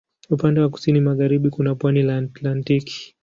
Upande wa kusini magharibi kuna pwani la Atlantiki.